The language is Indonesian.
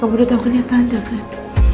kamu udah tau kan nyata anda kan